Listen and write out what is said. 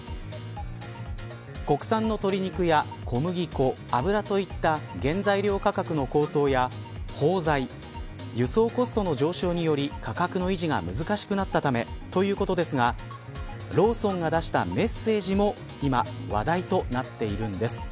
国産の鶏肉や小麦粉油といった原材料価格の高騰や包材、輸送コストの上昇により価格の維持が難しくなったためということですがローソンが出したメッセージも今、話題となっているんです。